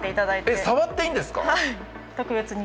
えっ触っていいですか？